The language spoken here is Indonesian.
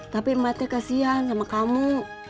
tapi emaknya kesian sama kamu